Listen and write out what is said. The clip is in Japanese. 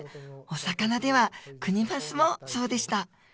お魚ではクニマスもそうでした。